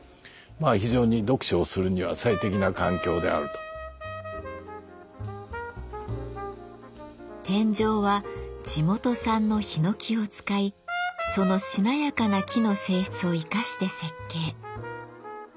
そしてこの天井は地元産のひのきを使いそのしなやかな木の性質を生かして設計。